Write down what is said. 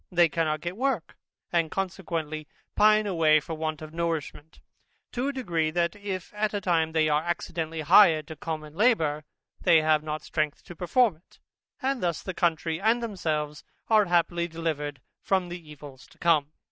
They cannot get work, and consequently pine away from want of nourishment, to a degree, that if at any time they are accidentally hired to common labour, they have not strength to perform it, and thus the country and themselves are happily delivered from the evils to come.